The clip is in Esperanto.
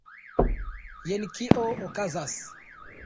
Jen kio okazas